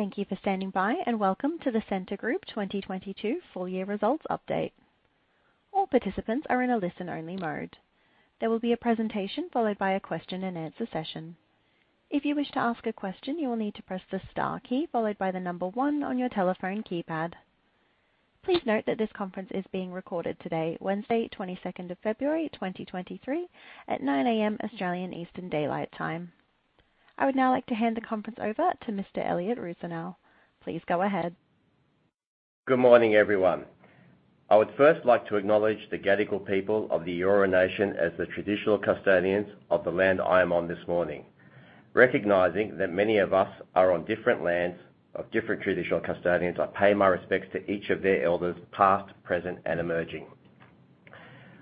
Thank you for standing by, and welcome to the Scentre Group 2022 Full Year Results Update. All participants are in a listen-only mode. There will be a presentation followed by a question-and-answer session. If you wish to ask a question, you will need to press the star key followed by the number one on your telephone keypad. Please note that this conference is being recorded today, Wednesday, 22nd of February, 2023 at 9:00 A.M. Australian Eastern Daylight Time. I would now like to hand the conference over to Mr. Elliott Rusanow. Please go ahead. Good morning, everyone. I would first like to acknowledge the Gadigal People of the Eora Nation as the traditional custodians of the land I am on this morning. Recognizing that many of us are on different lands of different traditional custodians, I pay my respects to each of their elders past, present, and emerging.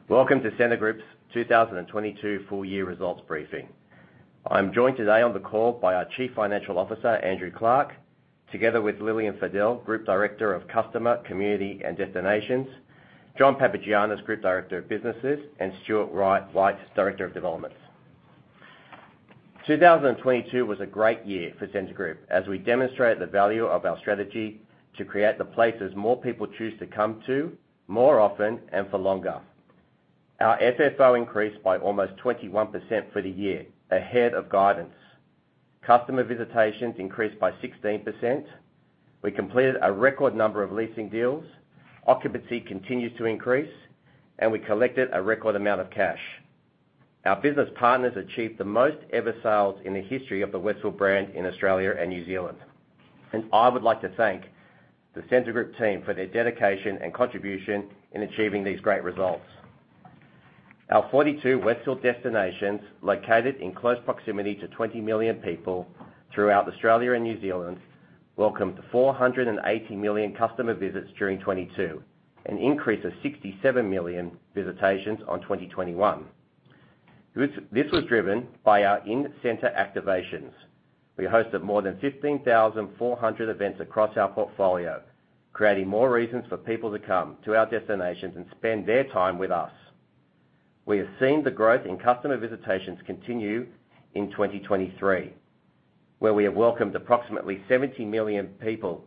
Welcome to Scentre Group's 2022 full year results briefing. I'm joined today on the call by our Chief Financial Officer, Andrew Clarke, together with Lillian Fadel, Group Director of Customer, Community and Destinations, John Papagiannis, Group Director of Businesses, and Stewart White, Director of Developments. 2022 was a great year for Scentre Group as we demonstrated the value of our strategy to create the places more people choose to come to more often and for longer. Our FFO increased by almost 21% for the year, ahead of guidance. Customer visitations increased by 16%. We completed a record number of leasing deals, occupancy continues to increase, and we collected a record amount of cash. Our business partners achieved the most ever sales in the history of the Westfield brand in Australia and New Zealand. I would like to thank the Scentre Group team for their dedication and contribution in achieving these great results. Our 42 Westfield destinations, located in close proximity to 20 million people throughout Australia and New Zealand, welcomed 480 million customer visits during 2022, an increase of 67 million visitations on 2021. This was driven by our in-center activations. We hosted more than 15,400 events across our portfolio, creating more reasons for people to come to our destinations and spend their time with us. We have seen the growth in customer visitations continue in 2023, where we have welcomed approximately 70 million people,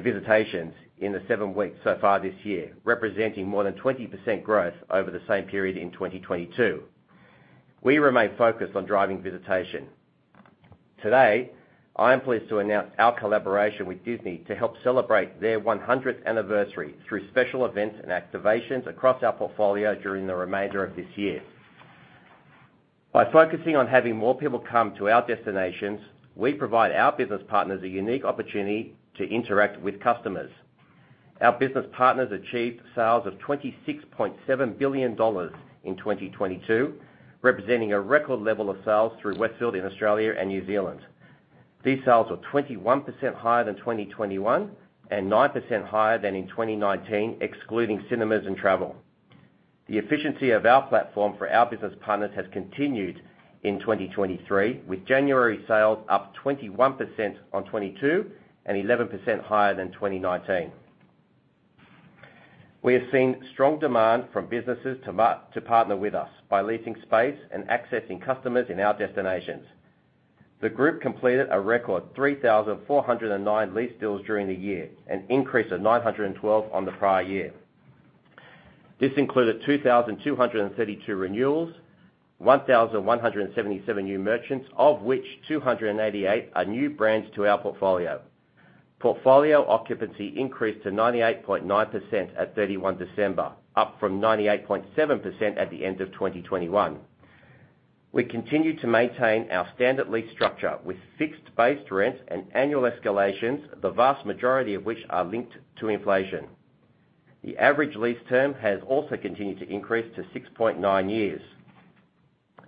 visitations in the seven weeks so far this year, representing more than 20% growth over the same period in 2022. We remain focused on driving visitation. Today, I am pleased to announce our collaboration with Disney to help celebrate their 100th anniversary through special events and activations across our portfolio during the remainder of this year. By focusing on having more people come to our destinations, we provide our business partners a unique opportunity to interact with customers. Our business partners achieved sales of 26.7 billion dollars in 2022, representing a record level of sales through Westfield in Australia and New Zealand. These sales were 21% higher than 2021 and 9% higher than in 2019, excluding cinemas and travel. The efficiency of our platform for our business partners has continued in 2023, with January sales up 21% on 2022 and 11% higher than 2019. We have seen strong demand from businesses to partner with us by leasing space and accessing customers in our destinations. The group completed a record 3,409 lease deals during the year, an increase of 912 on the prior year. This included 2,232 renewals, 1,177 new merchants, of which 288 are new brands to our portfolio. Portfolio occupancy increased to 98.9% at 31 December, up from 98.7% at the end of 2021. We continue to maintain our standard lease structure with fixed-based rents and annual escalations, the vast majority of which are linked to inflation. The average lease term has also continued to increase to 6.9 years.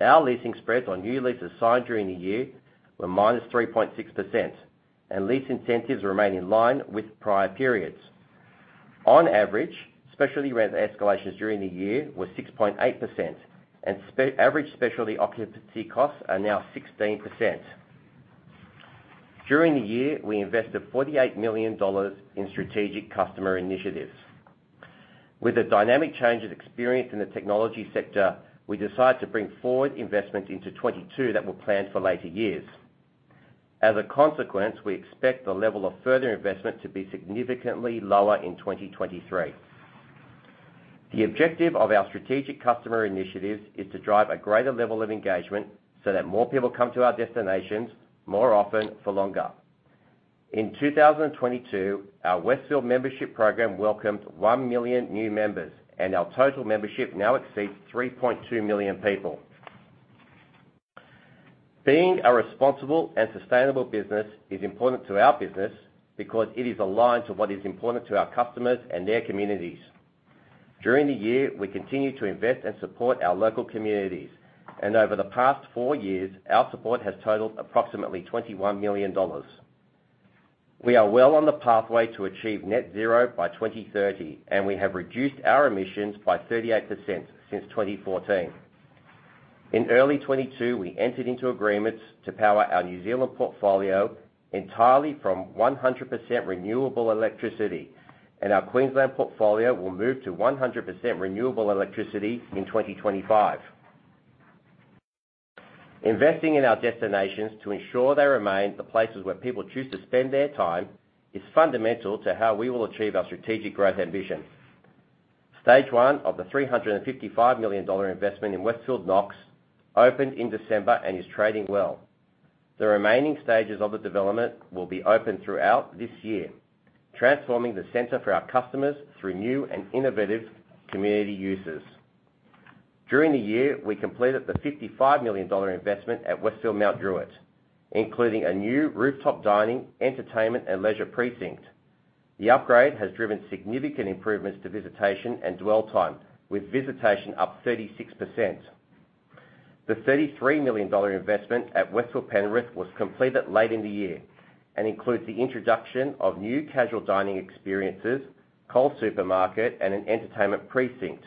Our leasing spreads on new leases signed during the year were -3.6%, and lease incentives remain in line with prior periods. On average, specialty rent escalations during the year were 6.8%, and average specialty occupancy costs are now 16%. During the year, we invested 48 million dollars in strategic customer initiatives. With the dynamic changes experienced in the technology sector, we decided to bring forward investment into 2022 that were planned for later years. As a consequence, we expect the level of further investment to be significantly lower in 2023. The objective of our strategic customer initiatives is to drive a greater level of engagement so that more people come to our destinations more often for longer. In 2022, our Westfield membership program welcomed 1 million new members, and our total membership now exceeds 3.2 million people. Being a responsible and sustainable business is important to our business because it is aligned to what is important to our customers and their communities. During the year, we continued to invest and support our local communities, and over the past four years, our support has totaled approximately 21 million dollars. We are well on the pathway to achieve net zero by 2030, and we have reduced our emissions by 38% since 2014. In early 2022, we entered into agreements to power our New Zealand portfolio entirely from 100% renewable electricity, and our Queensland portfolio will move to 100% renewable electricity in 2025. Investing in our destinations to ensure they remain the places where people choose to spend their time is fundamental to how we will achieve our strategic growth ambition. Stage one of the 355 million dollar investment in Westfield Knox opened in December and is trading well. The remaining stages of the development will be open throughout this year, transforming the center for our customers through new and innovative community uses. During the year, we completed the 55 million dollar investment at Westfield Mount Druitt, including a new rooftop dining, entertainment and leisure precinct. The upgrade has driven significant improvements to visitation and dwell time, with visitation up 36%. The 33 million dollar investment at Westfield Penrith was completed late in the year and includes the introduction of new casual dining experiences, Coles Supermarket and an entertainment precinct.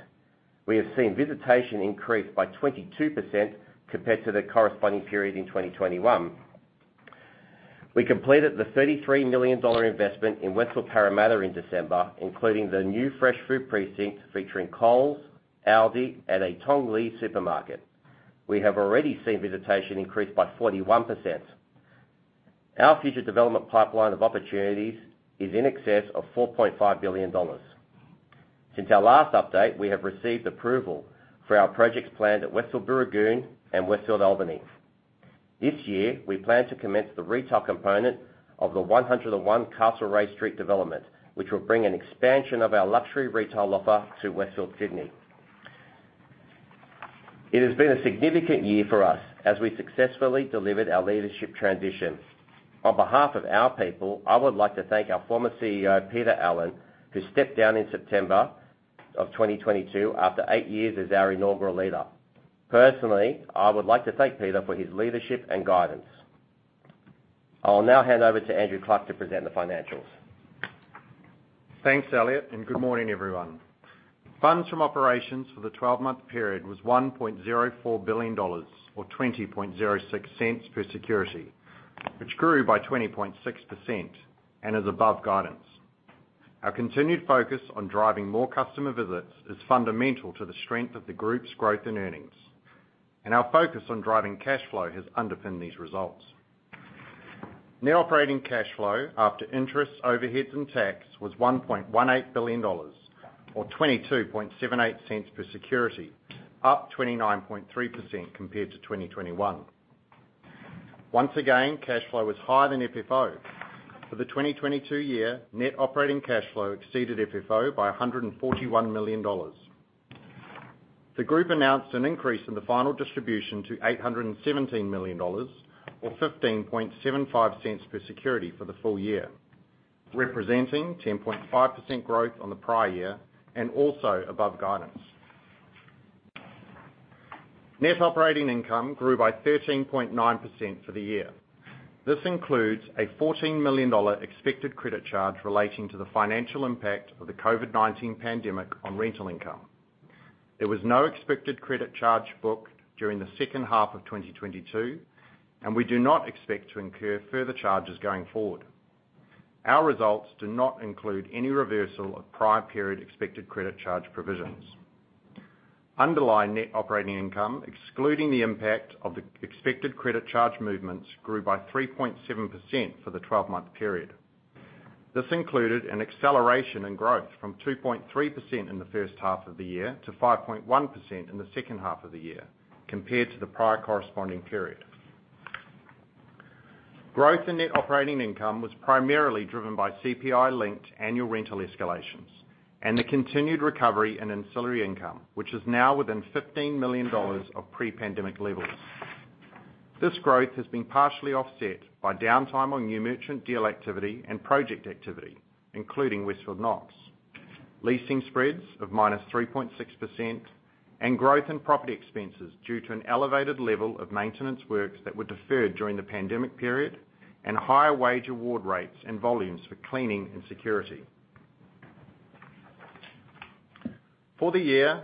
We have seen visitation increase by 22% compared to the corresponding period in 2021. We completed the 33 million dollar investment in Westfield Parramatta in December, including the new fresh food precinct featuring Coles, Aldi and a Tong Li Supermarket. We have already seen visitation increase by 41%. Our future development pipeline of opportunities is in excess of 4.5 billion dollars. Since our last update, we have received approval for our projects planned at Westfield Booragoon and Westfield Albany. This year, we plan to commence the retail component of the 101 Castlereagh Street development, which will bring an expansion of our luxury retail offer to Westfield Sydney. It has been a significant year for us as we successfully delivered our leadership transition. On behalf of our people, I would like to thank our former CEO, Peter Allen, who stepped down in September of 2022 after eight years as our inaugural leader. Personally, I would like to thank Peter for his leadership and guidance. I will now hand over to Andrew Clarke to present the financials. Thanks, Elliott, and good morning, everyone. Funds from Operations for the 12-month period was $1.04 billion or 0.2006 per security, which grew by 20.6% and is above guidance. Our continued focus on driving more customer visits is fundamental to the strength of the group's growth and earnings, and our focus on driving cash flow has underpinned these results. net operating cash flow after interest, overheads and tax was $1.18 billion or 0.2278 per security, up 29.3% compared to 2021. Once again, cash flow was higher than FFO. For the 2022 year, net operating cash flow exceeded FFO by $141 million. The group announced an increase in the final distribution to 817 million dollars or 0.1575 per security for the full year, representing 10.5% growth on the prior year and also above guidance. Net Operating Income grew by 13.9% for the year. This includes a 14 million dollar expected credit charge relating to the financial impact of the COVID-19 pandemic on rental income. There was no expected credit charge booked during the second half of 2022, and we do not expect to incur further charges going forward. Our results do not include any reversal of prior period expected credit charge provisions. Underlying Net Operating Income, excluding the impact of the expected credit charge movements, grew by 3.7% for the 12-month period. This included an acceleration in growth from 2.3% in the first half of the year to 5.1% in the second half of the year compared to the prior corresponding period. Growth in Net Operating Income was primarily driven by CPI-linked annual rental escalations and the continued recovery in ancillary income, which is now within 15 million dollars of pre-pandemic levels. This growth has been partially offset by downtime on new merchant deal activity and project activity, including Westfield Knox. Leasing spreads of -3.6% and growth in property expenses due to an elevated level of maintenance works that were deferred during the pandemic period and higher wage award rates and volumes for cleaning and security. For the year,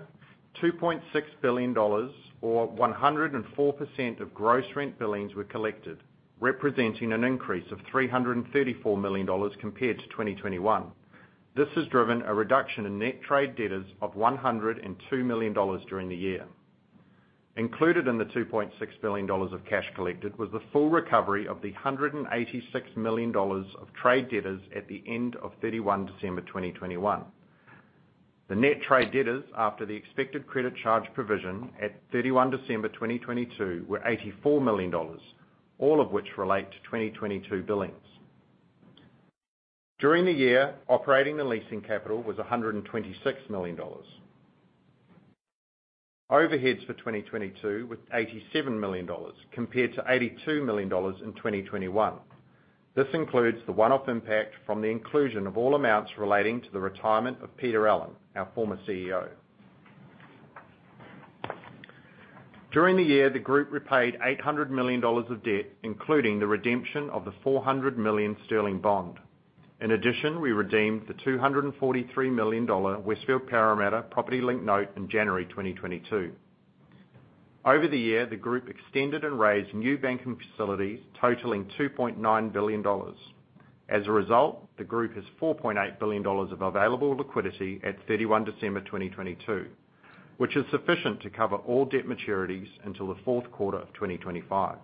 2.6 billion dollars or 104% of gross rent billings were collected, representing an increase of AUD 334 million compared to 2021. This has driven a reduction in net trade debtors of 102 million dollars during the year. Included in the 2.6 billion dollars of cash collected was the full recovery of the 186 million dollars of trade debtors at the end of 31 December 2021. The net trade debtors after the expected credit charge provision at 31 December 2022 were AUD 84 million, all of which relate to 2022 billings. During the year, operating and leasing capital was 126 million dollars. Overheads for 2022 were 87 million dollars compared to 82 million dollars in 2021. This includes the one-off impact from the inclusion of all amounts relating to the retirement of Peter Allen, our former CEO. During the year, the group repaid AUD 800 million of debt, including the redemption of the 400 million sterling bond. We redeemed the AUD 243 million Westfield Parramatta property link note in January 2022. Over the year, the group extended and raised new banking facilities totaling 2.9 billion dollars. The group has 4.8 billion dollars of available liquidity at 31 December 2022, which is sufficient to cover all debt maturities until the fourth quarter of 2025.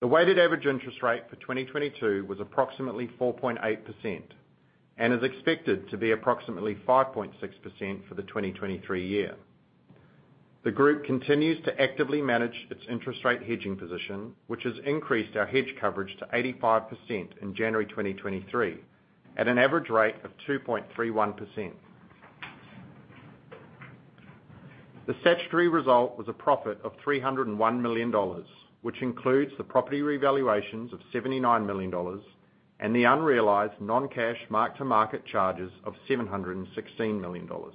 The weighted average interest rate for 2022 was approximately 4.8% and is expected to be approximately 5.6% for the 2023 year. The group continues to actively manage its interest rate hedging position, which has increased our hedge coverage to 85% in January 2023 at an average rate of 2.31%. The statutory result was a profit of 301 million dollars, which includes the property revaluations of 79 million dollars and the unrealized non-cash mark-to-market charges of 716 million dollars.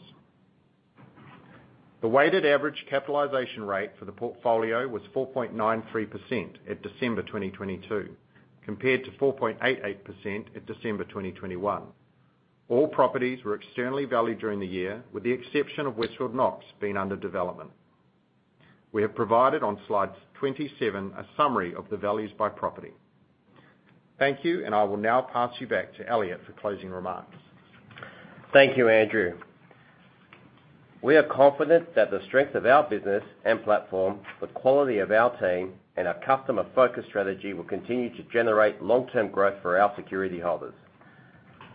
The weighted average capitalization rate for the portfolio was 4.93% at December 2022, compared to 4.88% at December 2021. All properties were externally valued during the year, with the exception of Westfield Knox being under development. We have provided on slide 27 a summary of the values by property. Thank you. I will now pass you back to Elliott for closing remarks. Thank you, Andrew. We are confident that the strength of our business and platform, the quality of our team, and our customer-focused strategy will continue to generate long-term growth for our security holders.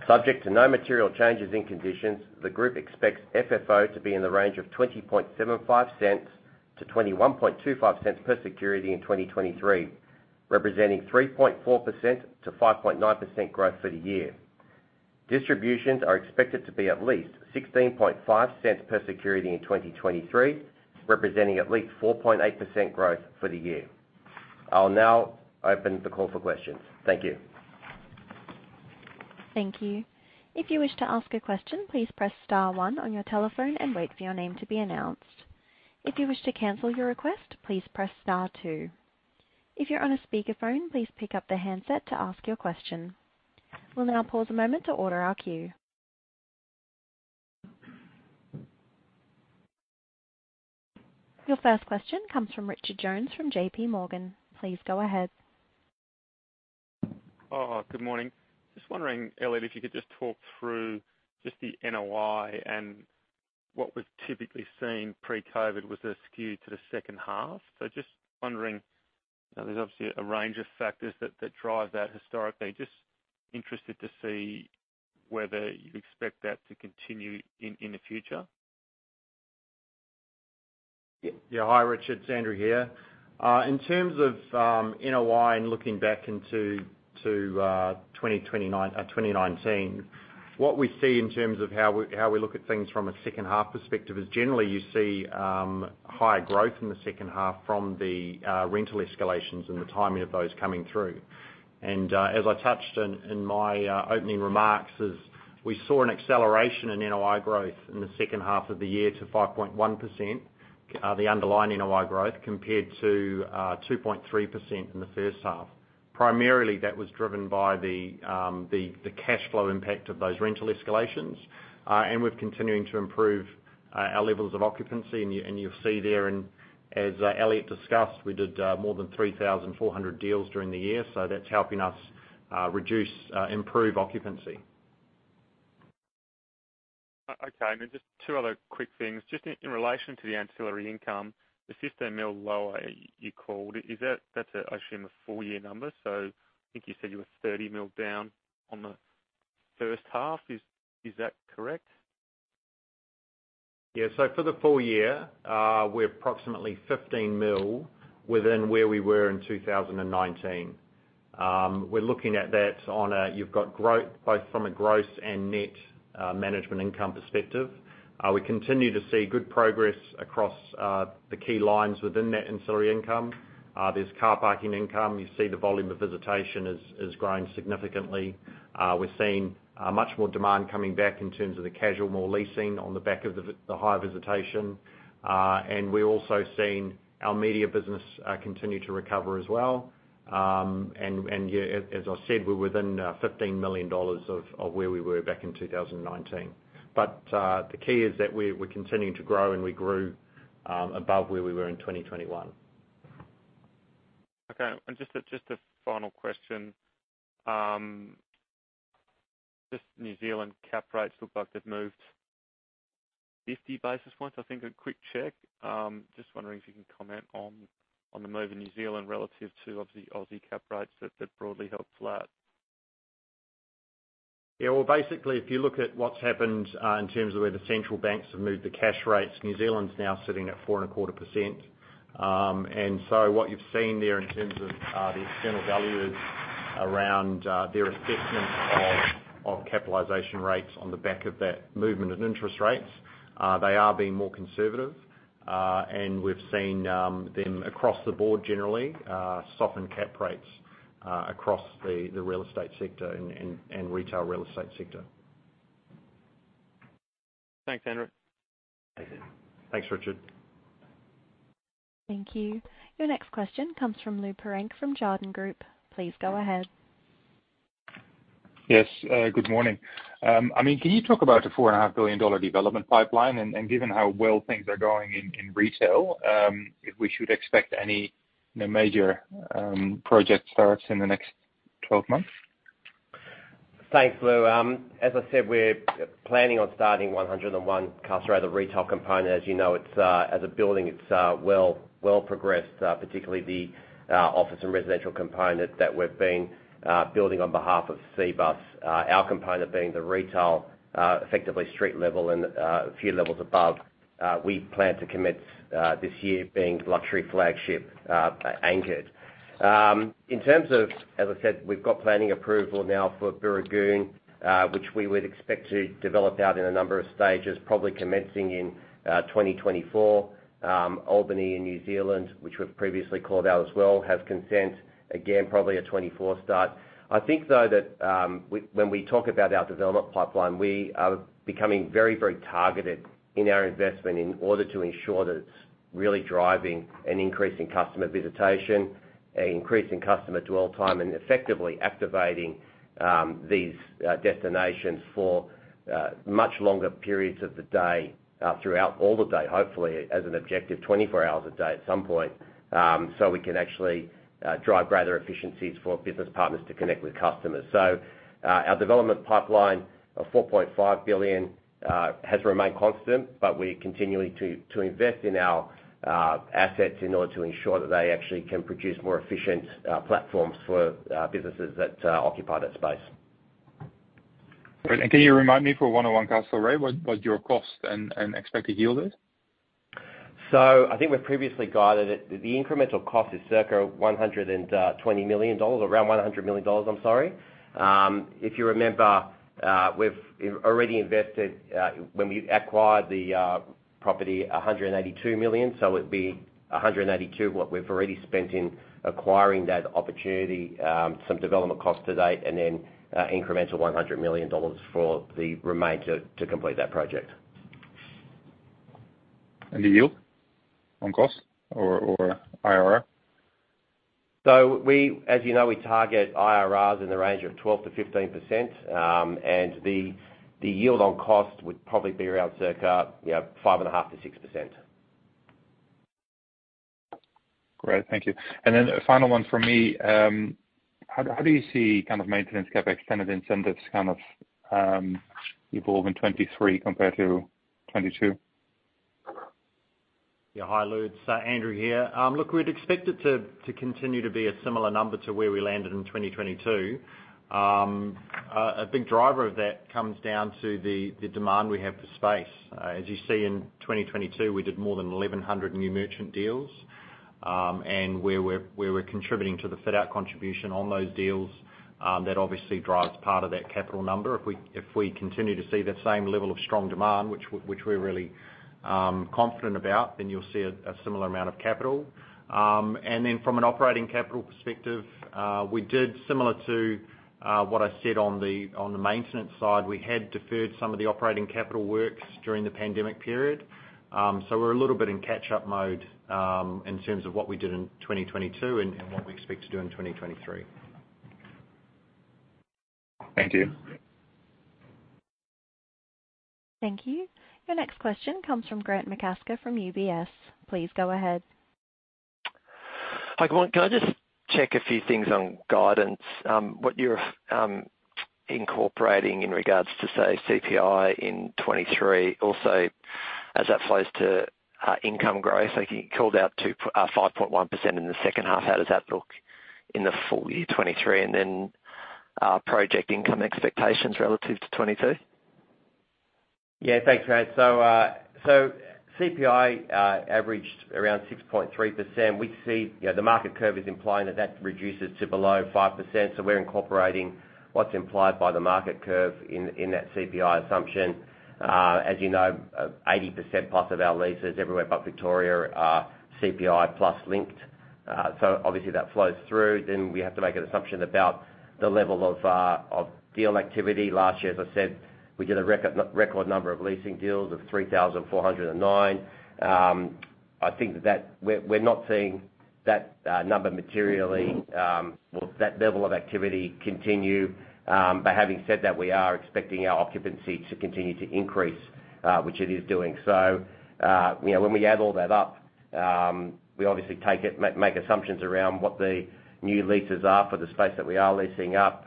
Subject to no material changes in conditions, the group expects FFO to be in the range of 0.2075-0.2125 per security in 2023, representing 3.4%-5.9% growth for the year. Distributions are expected to be at least 0.165 per security in 2023, representing at least 4.8% growth for the year. I'll now open the call for questions. Thank you. Thank you. If you wish to ask a question, please press star one on your telephone and wait for your name to be announced. If you wish to cancel your request, please press star two. If you're on a speakerphone, please pick up the handset to ask your question. We'll now pause a moment to order our queue. Your first question comes from Richard Jones from JPMorgan. Please go ahead. Good morning. Just wondering, Elliott, if you could just talk through just the NOI and what was typically seen pre-COVID with a skew to the second half. Just wondering, you know, there's obviously a range of factors that drive that historically. Just interested to see whether you'd expect that to continue in the future. Yeah. Hi, Richard, Andrew here. In terms of NOI and looking back into to 2019, what we see in terms of how we, how we look at things from a second half perspective is generally you see higher growth in the second half from the rental escalations and the timing of those coming through. As I touched in my opening remarks is we saw an acceleration in NOI growth in the second half of the year to 5.1%, the underlying NOI growth, compared to 2.3% in the first half. Primarily, that was driven by the cash flow impact of those rental escalations, and we're continuing to improve our levels of occupancy and you'll see there, and as Elliott discussed, we did more than 3,400 deals during the year, so that's helping us improve occupancy. Okay. Then just two other quick things. Just in relation to the ancillary income, the 15 mil lower you called, is that that's actually in the full year numbers. I think you said you were 30 mil down on the first half. Is that correct? For the full year, we're approximately 15 million within where we were in 2019. We're looking at that on a you've got growth both from a gross and net management income perspective. We continue to see good progress across the key lines within that ancillary income. There's car parking income. You see the volume of visitation is growing significantly. We're seeing much more demand coming back in terms of the casual more leasing on the back of the higher visitation. We're also seeing our media business continue to recover as well. As I said, we're within 15 million dollars of where we were back in 2019. The key is that we're continuing to grow, and we grew above where we were in 2021. Okay. Just a, just a final question. Just New Zealand cap rates look like they've moved 50 basis points, I think. A quick check. Just wondering if you can comment on the move in New Zealand relative to obviously Aussie cap rates that broadly held flat. Yeah. Well, basically, if you look at what's happened, in terms of where the central banks have moved the cash rates, New Zealand's now sitting at 4.25%. What you've seen there in terms of the external values around their assessment of capitalization rates on the back of that movement in interest rates, they are being more conservative. We've seen them across the board generally soften cap rates across the real estate sector and retail real estate sector. Thanks, Andrew. Okay. Thanks, Richard. Thank you. Your next question comes from Lou Pirenc from Jarden Group. Please go ahead. Yes. good morning. I mean, can you talk about the four and a half billion dollar development pipeline? Given how well things are going in retail, if we should expect any major project starts in the next 12 months? Thanks, Lou. As I said, we're planning on starting 101 Castlereagh retail component. As you know, it's as a building, it's well progressed, particularly the office and residential component that we've been building on behalf of Cbus. Our component being the retail, effectively street level and a few levels above, we plan to commit this year being luxury flagship anchored. In terms of, as I said, we've got planning approval now for Booragoon, which we would expect to develop out in a number of stages, probably commencing in 2024. Albany in New Zealand, which we've previously called out as well, has consent, again, probably a 2024 start. I think, though, that when we talk about our development pipeline, we are becoming very, very targeted in our investment in order to ensure that it's really driving an increase in customer visitation, increasing customer dwell time, and effectively activating these destinations for much longer periods of the day throughout all the day, hopefully as an objective, 24 hours a day at some point, so we can actually drive greater efficiencies for business partners to connect with customers. Our development pipeline of $4.5 billion has remained constant, but we're continuing to invest in our assets in order to ensure that they actually can produce more efficient platforms for businesses that occupy that space. Great. Can you remind me for 101 Castlereagh what your cost and expected yield is? I think we've previously guided it. The incremental cost is circa 120 million dollars, around 100 million dollars, I'm sorry. If you remember, we've already invested, when we acquired the property, 182 million, so it'd be 182, what we've already spent in acquiring that opportunity, some development costs to date and then, incremental 100 million dollars for the remainder to complete that project. The yield on cost or IRR? As you know, we target IRRs in the range of 12%-15%, and the yield on cost would probably be around circa, you know, 5.5%-6%. Great. Thank you. Then a final one from me. How do you see kind of maintenance CapEx kind of incentives kind of evolve in 2023 compared to 2022? Yeah. Hi, Lou Pirenc. It's Andrew Clarke here. We'd expect it to continue to be a similar number to where we landed in 2022. A big driver of that comes down to the demand we have for space. As you see in 2022, we did more than 1,100 new merchant deals, and where we're contributing to the fit-out contribution on those deals, that obviously drives part of that capital number. If we continue to see that same level of strong demand, which we're really confident about, then you'll see a similar amount of capital. From an operating capital perspective, we did similar to what I said on the maintenance side. We had deferred some of the operating capital works during the pandemic period. We're a little bit in catch-up mode, in terms of what we did in 2022 and what we expect to do in 2023. Thank you. Thank you. Your next question comes from Grant McCasker from UBS. Please go ahead. Hi. Can I just check a few things on guidance, what you're incorporating in regards to, say, CPI in 2023? Also, as that flows to income growth, I think you called out 5.1% in the second half. How does that look in the full year 2023? Project income expectations relative to 2022. Yeah, thanks, Grant. CPI averaged around 6.3%. We see, you know, the market curve is implying that that reduces to below 5%. We're incorporating what's implied by the market curve in that CPI assumption. As you know, 80% plus of our leases everywhere but Victoria are CPI plus linked. Obviously that flows through. We have to make an assumption about the level of deal activity. Last year, as I said, we did a record number of leasing deals of 3,409. I think that we're not seeing that number materially or that level of activity continue. Having said that, we are expecting our occupancy to continue to increase, which it is doing. You know, when we add all that up, we obviously make assumptions around what the new leases are for the space that we are leasing up,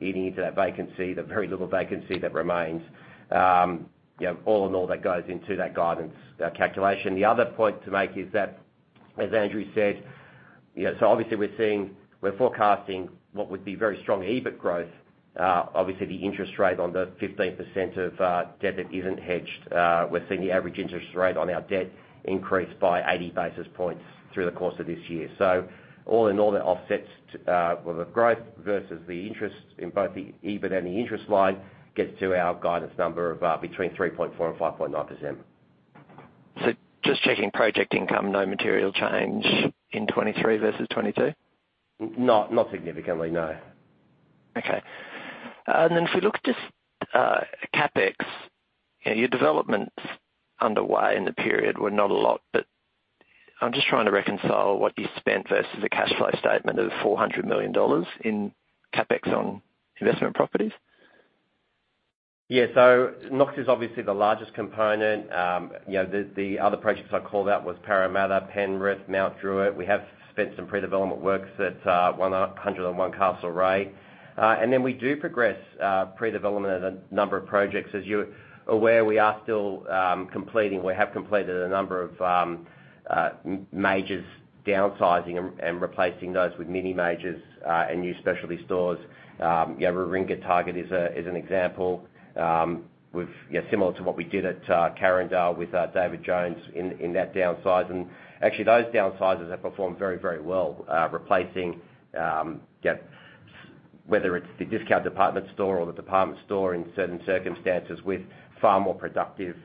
eating into that vacancy, the very little vacancy that remains. You know, all in all that goes into that guidance calculation. The other point to make is that, as Andrew said, you know, obviously we're forecasting what would be very strong EBIT growth. Obviously the interest rate on the 15% of debt that isn't hedged, we're seeing the average interest rate on our debt increase by 80 basis points through the course of this year. All in all, that offsets, well the growth versus the interest in both the EBIT and the interest line gets to our guidance number of, between 3.4% and 5.9%. Just checking project income, no material change in 23 versus 22? Not significantly, no. Okay. If we look just, CapEx, you know, your developments underway in the period were not a lot, but I'm just trying to reconcile what you spent versus the cash flow statement of 400 million dollars in CapEx on investment properties. Yeah. Knox is obviously the largest component. you know, the other projects I called out was Parramatta, Penrith, Mount Druitt. We have spent some pre-development works at 101 Castlereagh. Then we do progress pre-development at a number of projects. As you're aware, we are still, We have completed a number of majors, downsizing and replacing those with mini majors, and new specialty stores. Yeah, Target is an example. Yeah, similar to what we did at Carindale with David Jones in that downsize. Actually, those downsizes have performed very well, replacing, yeah, whether it's the discount department store or the department store in certain circumstances with far more productive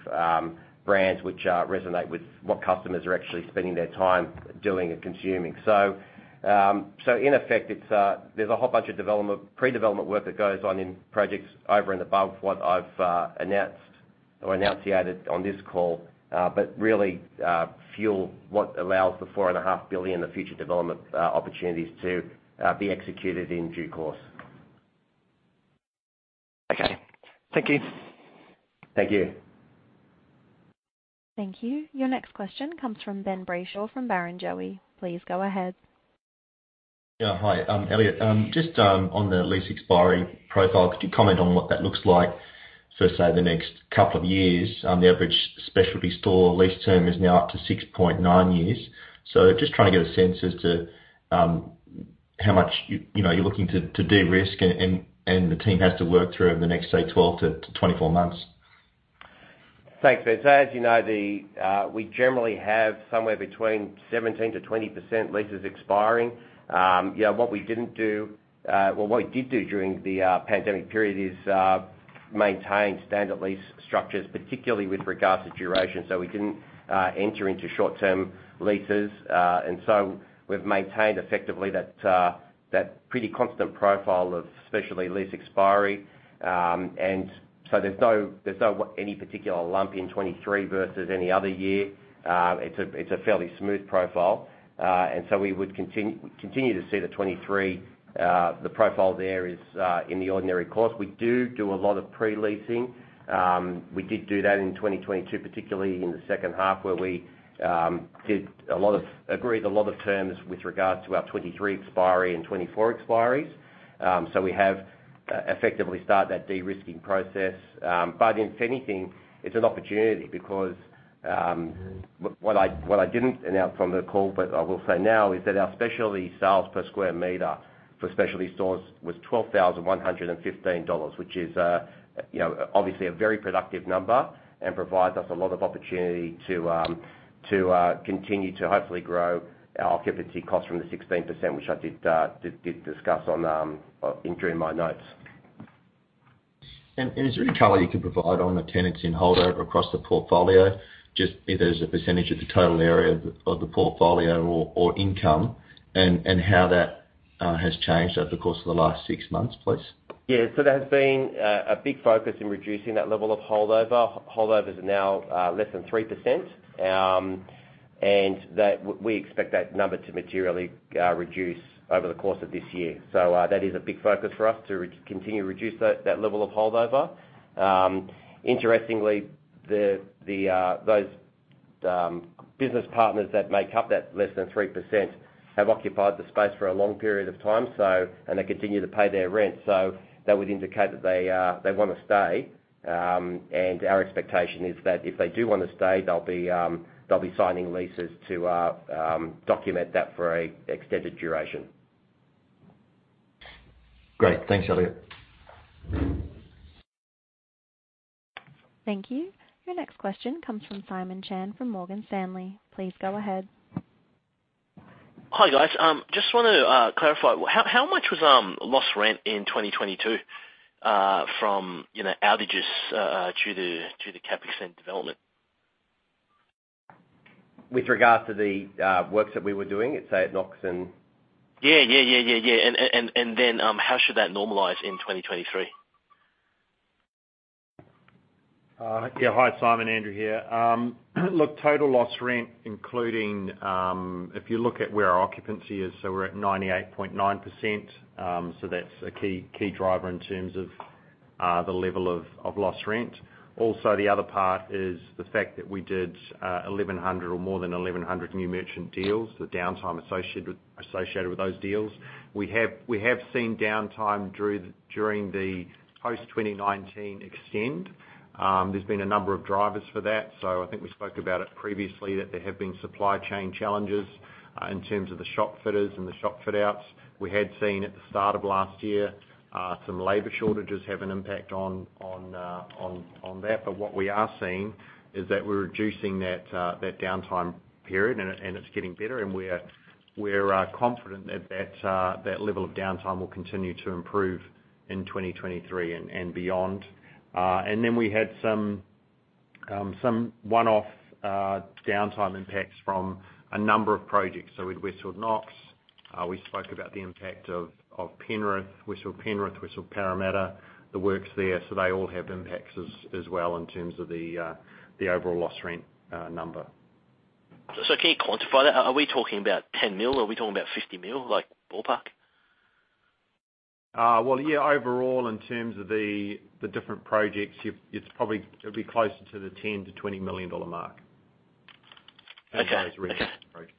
brands which resonate with what customers are actually spending their time doing and consuming. In effect, it's, there's a whole bunch of pre development work that goes on in projects over and above what I've announced or annunciated on this call. Really, fuel what allows the 4.5 billion in the future development opportunities to be executed in due course. Okay. Thank you. Thank you. Thank you. Your next question comes from Ben Brayshaw from Barrenjoey. Please go ahead. Yeah, hi, Elliott. Just on the lease expiry profile, could you comment on what that looks like for, say, the next couple of years? The average specialty store lease term is now up to 6.9 years. Just trying to get a sense as to how much, you know, you're looking to de-risk and the team has to work through over the next, say, 12 to 24 months. Thanks, Ben. As you know, we generally have somewhere between 17%-20% leases expiring. You know, what we didn't do or what we did during the pandemic period is maintain standard lease structures, particularly with regards to duration. We didn't enter into short term leases. We've maintained effectively that pretty constant profile of specialty lease expiry. There's no any particular lump in 2023 versus any other year. It's a fairly smooth profile. We would continue to see the 2023 profile there is in the ordinary course. We do a lot of pre-leasing. We did do that in 2022, particularly in the second half, where we agreed a lot of terms with regards to our 2023 expiry and 2024 expiries. We have effectively started that de-risking process. If anything, it's an opportunity because what I didn't announce on the call, but I will say now is that our specialty sales per square meter for specialty stores was 12,115 dollars, which is, you know, obviously a very productive number and provides us a lot of opportunity to continue to hopefully grow our occupancy costs from the 16%, which I did discuss in during my notes. Is there any color you can provide on the tenancy and holdover across the portfolio, just be it as a percentage of the total area of the portfolio or income, and how that has changed over the course of the last six months, please? Yeah. There has been a big focus in reducing that level of holdover. Holdovers are now less than 3%, we expect that number to materially reduce over the course of this year. That is a big focus for us to continue to reduce that level of holdover. Interestingly, the those business partners that make up that less than 3% have occupied the space for a long period of time, so, they continue to pay their rent. That would indicate that they wanna stay. Our expectation is that if they do wanna stay, they'll be signing leases to document that for a extended duration. Great. Thanks, Elliott. Thank you. Your next question comes from Simon Chan from Morgan Stanley. Please go ahead. Hi, guys. just wanted to clarify, how much was lost rent in 2022, from, you know, outages, due to CapEx and development. With regards to the works that we were doing, say, at Knox. Yeah. Then, how should that normalize in 2023? Yeah. Hi, Simon. Andrew here. Look, total loss rent including, if you look at where our occupancy is, we're at 98.9%. That's a key driver in terms of the level of lost rent. Also, the other part is the fact that we did 1,100 or more than 1,100 new merchant deals, the downtime associated with those deals. We have seen downtime during the post-2019 extend. There's been a number of drivers for that. I think we spoke about it previously, that there have been supply chain challenges in terms of the shop fitters and the shop fit outs. We had seen at the start of last year, some labor shortages have an impact on that. What we are seeing is that we're reducing that downtime period and it's getting better and we're confident that that level of downtime will continue to improve in 2023 and beyond. Then we had some one-off downtime impacts from a number of projects. With Westfield Knox, we spoke about the impact of Penrith. We saw Penrith, we saw Parramatta, the works there. They all have impacts as well in terms of the overall lost rent number. Can you quantify that? Are we talking about 10 million or are we talking about 50 million, like, ballpark? Well, yeah, overall in terms of the different projects, it'd be closer to the 10 million-20 million dollar mark. Okay. Remixing projects.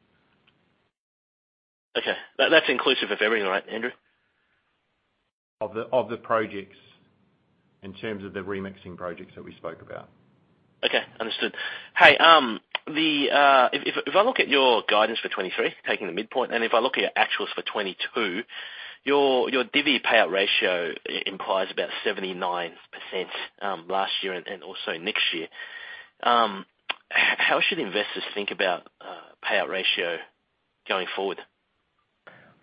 Okay. That's inclusive of everything, right, Andrew? Of the projects in terms of the remixing projects that we spoke about. Okay. Understood. Hey, if I look at your guidance for 2023, taking the midpoint, and if I look at your actuals for 2022, your divi payout ratio implies about 79% last year and also next year. How should investors think about payout ratio going forward?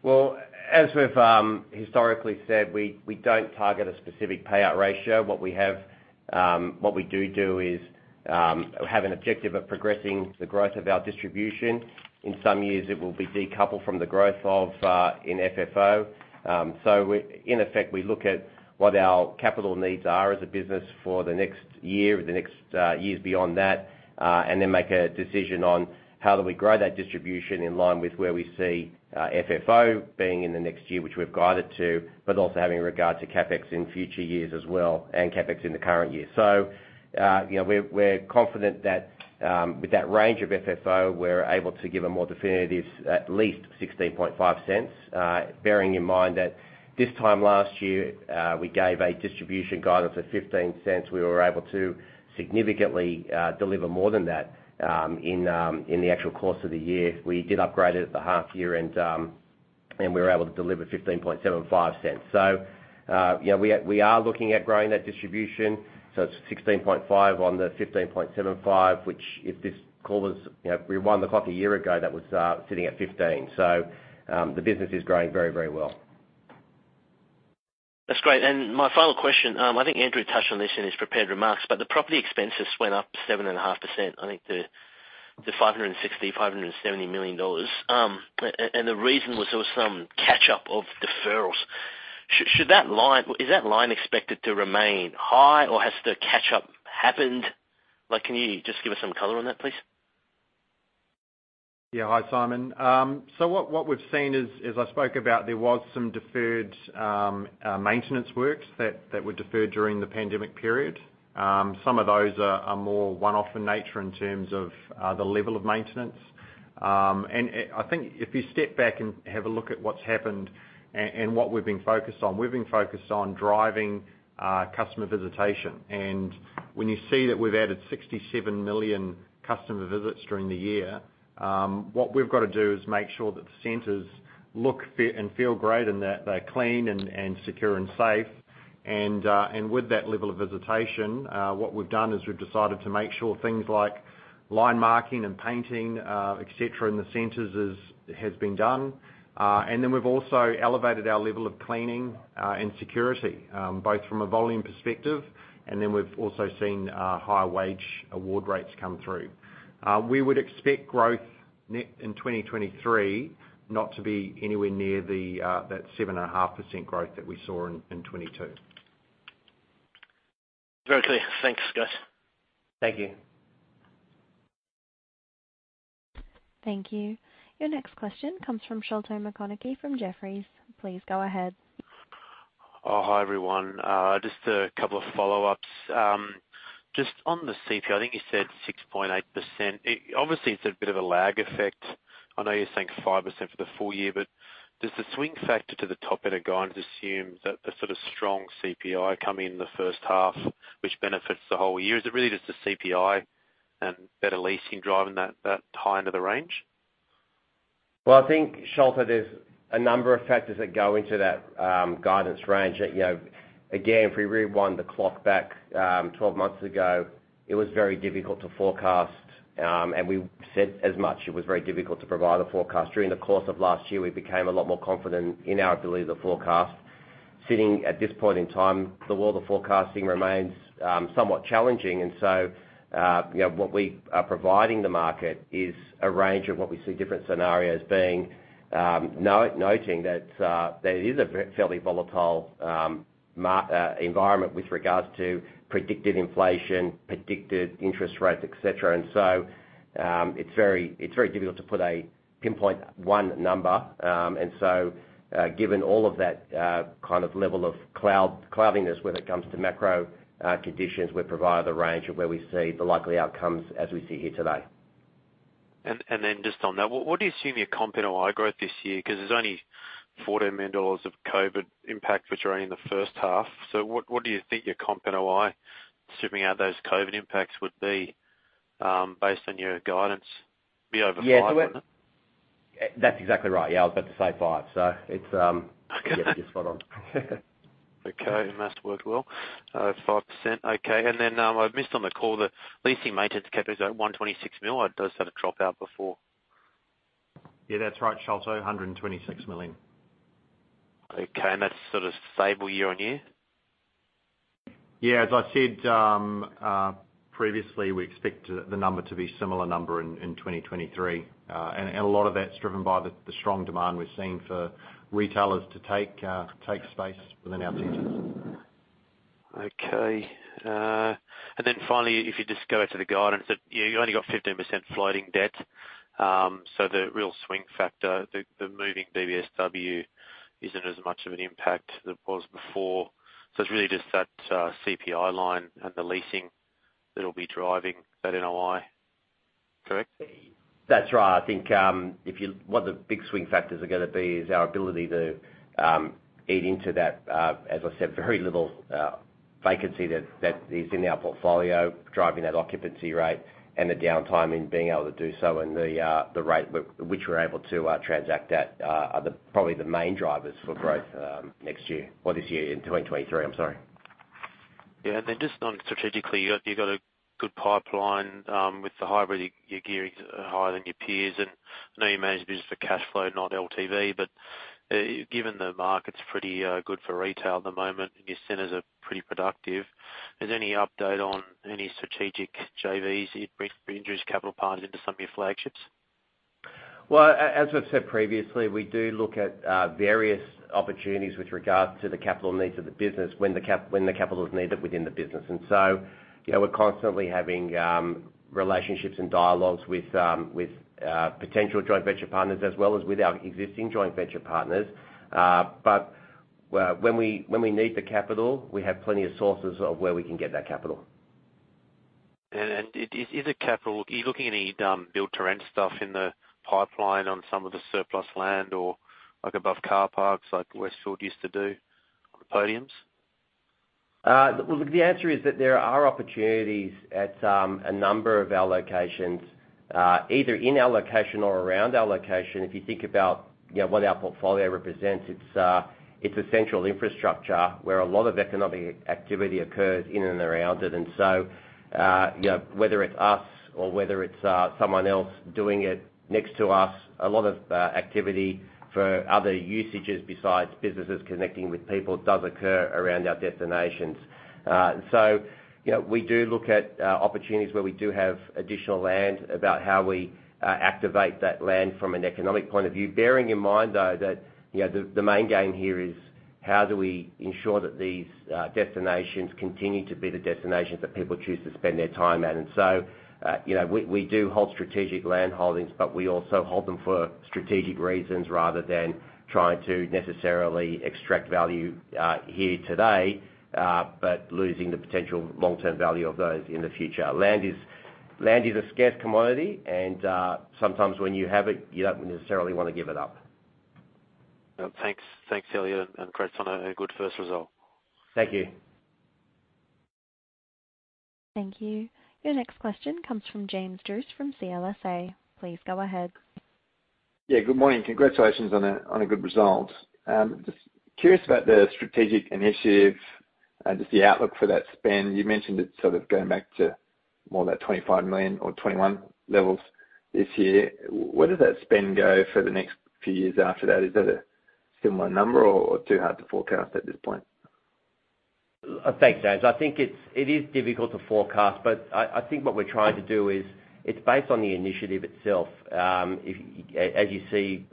As we've historically said, we don't target a specific payout ratio. What we have, what we do is have an objective of progressing the growth of our distribution. In some years, it will be decoupled from the growth in FFO. In effect, we look at what our capital needs are as a business for the next year or the next years beyond that, and then make a decision on how do we grow that distribution in line with where we see FFO being in the next year, which we've guided to, but also having regard to CapEx in future years as well, and CapEx in the current year. You know, we're confident that with that range of FFO, we're able to give a more definitive at least 0.165. Bearing in mind that this time last year, we gave a distribution guidance of 0.15. We were able to significantly deliver more than that in the actual course of the year. We did upgrade it at the half year, we were able to deliver 0.1575. You know, we are looking at growing that distribution. It's 0.165 on the 0.1575, which if this call was, you know, rewind the clock a year ago, that was sitting at 0.15. The business is growing very, very well. That's great. My final question, I think Andrew touched on this in his prepared remarks, but the property expenses went up 7.5%, I think to 560 million-570 million dollars. And the reason was there was some catch up of deferrals. Is that line expected to remain high or has the catch up happened? Like, can you just give us some color on that, please? Yeah. Hi, Simon. What we've seen as I spoke about there was some deferred maintenance works that were deferred during the pandemic period. Some of those are more one-off in nature in terms of the level of maintenance. I think if you step back and have a look at what's happened and what we've been focused on, we've been focused on driving customer visitation. When you see that we've added 67 million customer visits during the year, what we've got to do is make sure that the centers look, feel, and feel great and that they're clean and secure and safe. With that level of visitation, what we've done is we've decided to make sure things like line marking and painting, et cetera, in the centers has been done. We've also elevated our level of cleaning and security, both from a volume perspective, we've also seen higher wage award rates come through. We would expect growth net in 2023 not to be anywhere near the that 7.5% growth that we saw in 2022. Very clear. Thanks, got it. Thank you. Thank you. Your next question comes from Sholto Maconochie from Jefferies. Please go ahead. Hi, everyone. Just a couple of follow-ups. Just on the CPI, I think you said 6.8%. Obviously, it's a bit of a lag effect. I know you're saying 5% for the full year, but does the swing factor to the top end of guidance assume that the sort of strong CPI coming in the first half which benefits the whole year? Is it really just the CPI and better leasing driving that high end of the range? Well, I think, Sholto, there's a number of factors that go into that, guidance range. You know, again, if we rewind the clock back, 12 months ago, it was very difficult to forecast, and we said as much. It was very difficult to provide a forecast. During the course of last year, we became a lot more confident in our ability to forecast. Sitting at this point in time, the world of forecasting remains, somewhat challenging. You know, what we are providing the market is a range of what we see different scenarios being, noting that it is a fairly volatile, environment with regards to predicted inflation, predicted interest rates, et cetera. It's very, it's very difficult to pinpoint one number. Given all of that, kind of level of cloudiness when it comes to macro conditions, we provide the range of where we see the likely outcomes as we see here today. Then just on that, what do you see in your comp NOI growth this year? Because there's only 14 million dollars of COVID impact, which are in the first half. What do you think your comp NOI, stripping out those COVID impacts would be, based on your guidance be over five, wasn't it? Yeah. That's exactly right, yeah. I was about to say five. It's. Okay. Yeah, you're spot on. Okay. Master worked well. 5%. Okay. Then, I missed on the call the leasing maintenance cap rate is at 126 million. It does have a dropout before. Yeah, that's right, Sholto, 126 million. Okay. That's sort of stable year-over-year? Yeah, as I said, previously, we expect the number to be similar number in 2023. A lot of that's driven by the strong demand we're seeing for retailers to take space within our centers. Okay. Finally, if you just go to the guidance that you only got 15% floating debt. The real swing factor, the moving BBSW isn't as much of an impact as it was before. It's really just that CPI line and the leasing that'll be driving that NOI, correct? That's right. I think, what the big swing factors are gonna be is our ability to eat into that, as I said, very little vacancy that is in our portfolio, driving that occupancy rate and the downtime in being able to do so. The rate which we're able to transact at are the, probably the main drivers for growth next year or this year in 2023. I'm sorry. Yeah. Just on strategically, you got a good pipeline with the hybrid. Your gearings are higher than your peers, and I know you manage business for cash flow, not LTV. Given the market's pretty good for retail at the moment and your centers are pretty productive, is there any update on any strategic JVs? You introduce capital partners into some of your flagships. Well, as we've said previously, we do look at various opportunities with regards to the capital needs of the business when the capital is needed within the business. you know, we're constantly having relationships and dialogues with potential joint venture partners as well as with our existing joint venture partners. When we need the capital, we have plenty of sources of where we can get that capital. Are you looking at any Build to Rent stuff in the pipeline on some of the surplus land or like above car parks like Westfield used to do on the podiums? Well, look, the answer is that there are opportunities at a number of our locations, either in our location or around our location. If you think about, you know, what our portfolio represents, it's essential infrastructure where a lot of economic activity occurs in and around it. You know, whether it's us or whether it's someone else doing it next to us, a lot of activity for other usages besides businesses connecting with people does occur around our destinations. You know, we do look at opportunities where we do have additional land about how we activate that land from an economic point of view. Bearing in mind, though, that, you know, the main game here is how do we ensure that these destinations continue to be the destinations that people choose to spend their time at. You know, we do hold strategic land holdings, but we also hold them for strategic reasons rather than trying to necessarily extract value here today, but losing the potential long-term value of those in the future. Land is, land is a scarce commodity, and, sometimes when you have it, you don't necessarily wanna give it up. Well, thanks. Thanks, Elliott. Congrats on a good first result. Thank you. Thank you. Your next question comes from James Druce from CLSA. Please go ahead. Good morning. Congratulations on a good result. Just curious about the strategic initiative and just the outlook for that spend. You mentioned it sort of going back to more of that 25 million or 21 levels this year. Where does that spend go for the next few years after that? Is that a similar number or too hard to forecast at this point? Thanks, James. I think it is difficult to forecast, but I think what we're trying to do is it's based on the initiative itself. As you see,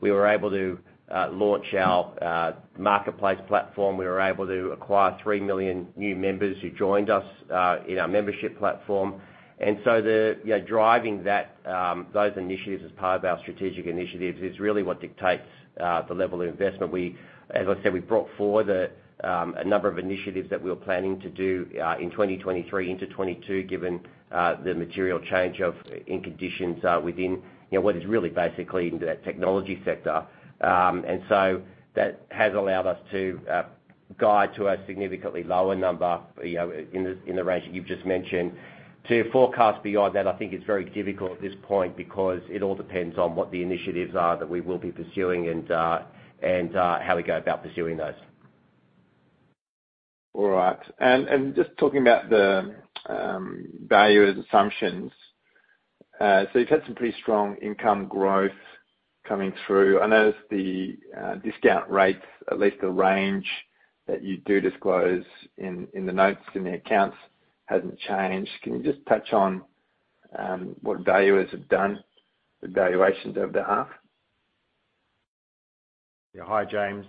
we were able to launch our marketplace platform. We were able to acquire 3 million new members who joined us in our membership platform. you know, driving that those initiatives as part of our strategic initiatives is really what dictates the level of investment. As I said, we brought forward a number of initiatives that we were planning to do in 2023 into 2022, given the material change of in conditions within, you know, what is really basically the technology sector. That has allowed us to guide to a significantly lower number, you know, in the range that you've just mentioned. To forecast beyond that, I think it's very difficult at this point because it all depends on what the initiatives are that we will be pursuing and how we go about pursuing those. All right. Just talking about the valuers' assumptions. You've had some pretty strong income growth coming through. I notice the discount rates, at least the range that you do disclose in the notes in the accounts hasn't changed. Can you just touch on what valuers have done with valuations over the half? Hi, James.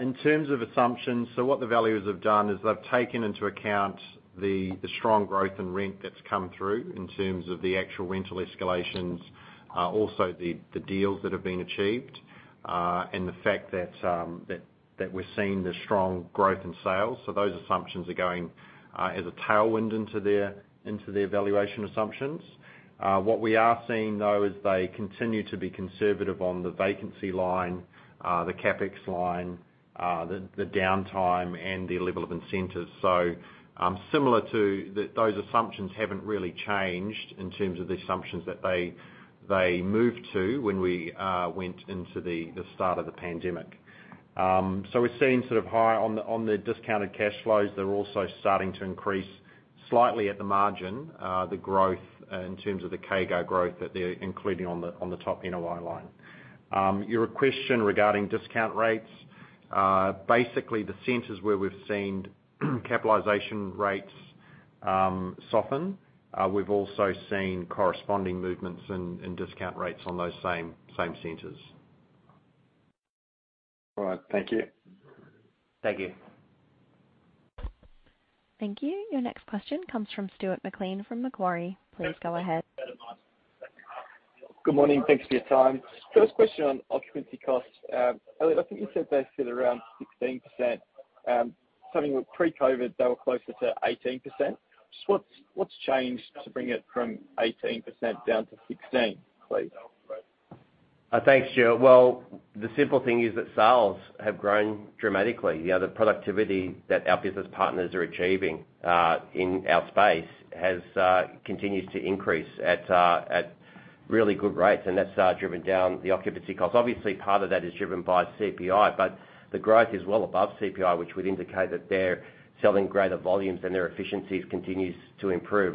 In terms of assumptions, what the valuers have done is they've taken into account the strong growth in rent that's come through in terms of the actual rental escalations, also the deals that have been achieved, and the fact that we're seeing the strong growth in sales. Those assumptions are going as a tailwind into their valuation assumptions. What we are seeing, though, is they continue to be conservative on the vacancy line, the CapEx line, the downtime and the level of incentives. Similar to those assumptions haven't really changed in terms of the assumptions that they moved to when we went into the start of the pandemic. We're seeing sort of higher on the discounted cash flows. They're also starting Slightly at the margin, the growth in terms of the CAGR growth that they're including on the top NOI line. Your question regarding discount rates, basically the centers where we've seen capitalization rates soften, we've also seen corresponding movements in discount rates on those same centers. All right. Thank you. Thank you. Thank you. Your next question comes from Stuart McLean from Macquarie. Please go ahead. Good morning. Thanks for your time. First question on occupancy costs. Elliott, I think you said they sit around 16%. Starting with pre-COVID, they were closer to 18%. Just what's changed to bring it from 18% down to 16, please? Thanks, Stuart. Well, the simple thing is that sales have grown dramatically. You know, the productivity that our business partners are achieving in our space has continues to increase at really good rates, and that's driven down the occupancy costs. Obviously, part of that is driven by CPI, but the growth is well above CPI, which would indicate that they're selling greater volumes and their efficiencies continues to improve.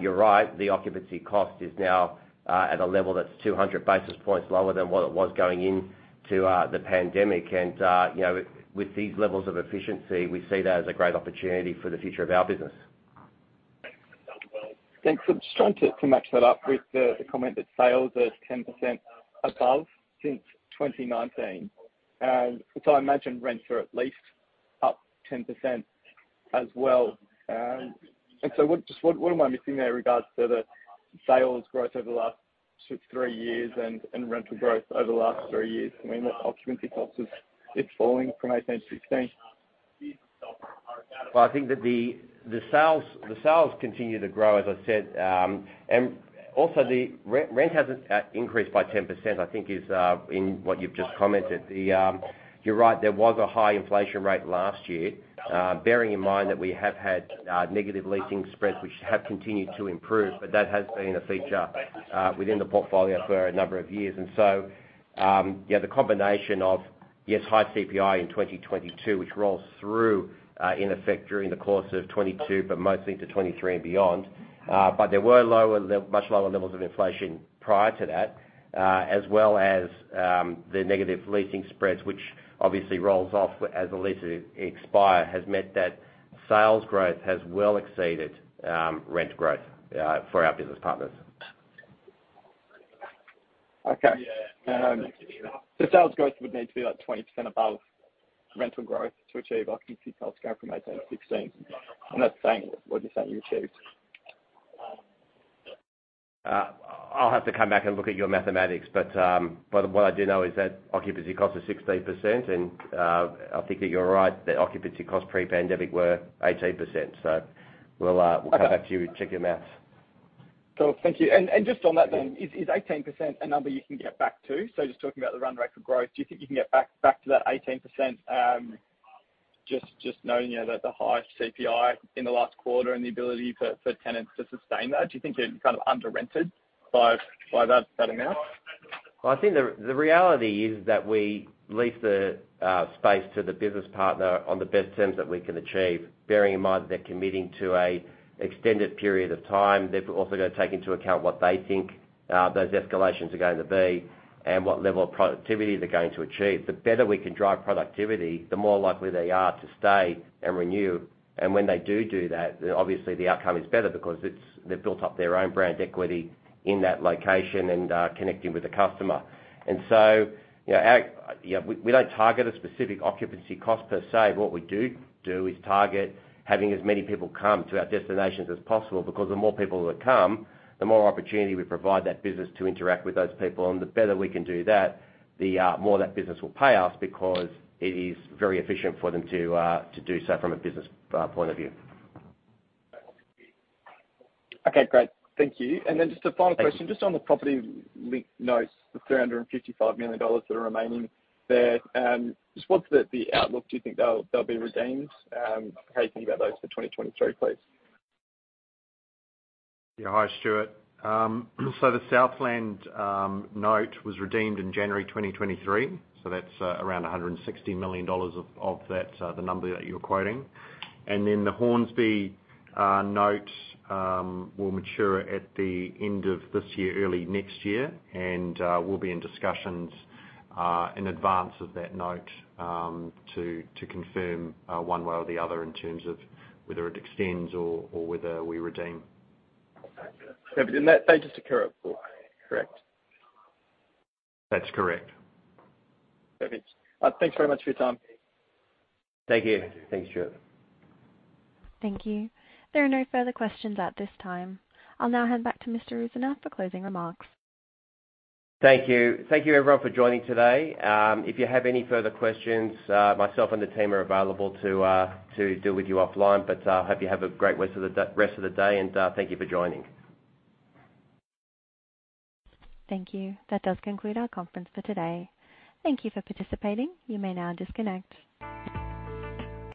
You're right, the occupancy cost is now at a level that's 200 basis points lower than what it was going in to the pandemic. You know, with these levels of efficiency, we see that as a great opportunity for the future of our business. Thanks. Just trying to match that up with the comment that sales are 10% above since 2019. I imagine rents are at least up 10% as well. What am I missing there in regards to the sales growth over the last three years and rental growth over the last three years? I mean, what occupancy costs is falling from 18 to 16. Well, I think that the sales continue to grow, as I said. also the re-rent hasn't increased by 10%, I think is in what you've just commented. You're right, there was a high inflation rate last year. bearing in mind that we have had negative leasing spreads, which have continued to improve, but that has been a feature within the portfolio for a number of years. yeah, the combination of, yes, high CPI in 2022, which rolls through in effect during the course of 2022, but mostly to 2023 and beyond. There were much lower levels of inflation prior to that, as well as the negative leasing spreads, which obviously rolls off as the leases expire, has meant that sales growth has well exceeded rent growth for our business partners. Okay. The sales growth would need to be like 20% above rental growth to achieve occupancy costs going from 18 to 16. I'm not saying what you're saying you achieved. I'll have to come back and look at your mathematics, but what I do know is that occupancy cost is 16%. I think that you're right, that occupancy costs pre-pandemic were 18%. We'll come back to you and check your math. Cool. Thank you. Just on that then, is 18% a number you can get back to? Just talking about the run rate for growth, do you think you can get back to that 18%, knowing, you know, that the high CPI in the last quarter and the ability for tenants to sustain that? Do you think they're kind of under-rented by that amount? Well, I think the reality is that we lease the space to the business partner on the best terms that we can achieve. Bearing in mind they're committing to a extended period of time, they've also got to take into account what they think those escalations are going to be and what level of productivity they're going to achieve. The better we can drive productivity, the more likely they are to stay and renew. When they do that, then obviously the outcome is better because it's, they've built up their own brand equity in that location and connecting with the customer. You know, We don't target a specific occupancy cost per se. What we do is target having as many people come to our destinations as possible, because the more people that come, the more opportunity we provide that business to interact with those people. The better we can do that, the more that business will pay us because it is very efficient for them to do so from a business point of view. Okay, great. Thank you. Thank you. Just a final question. Just on the property link notes, the 355 million dollars that are remaining there, just what's the outlook? Do you think they'll be redeemed? How you think about those for 2023, please? Yeah. Hi, Stuart. The Southland note was redeemed in January 2023, that's around 160 million dollars of that, the number that you're quoting. Then the Hornsby note will mature at the end of this year, early next year. We'll be in discussions in advance of that note to confirm one way or the other in terms of whether it extends or whether we redeem. They're just a current pool, correct? That's correct. Perfect. Thanks very much for your time. Thank you. Thanks, Stuart. Thank you. There are no further questions at this time. I'll now hand back to Mr. Rusanow for closing remarks. Thank you. Thank you everyone for joining today. If you have any further questions, myself and the team are available to deal with you offline. Hope you have a great rest of the day and thank you for joining. Thank you. That does conclude our conference for today. Thank you for participating. You may now disconnect.